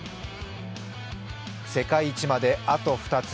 世界一まであと２つ。